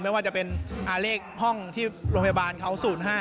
ไม่ว่าจะเป็นเลขห้องที่โรงพยาบาลเขา๐๕